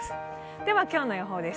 では今日の予報です。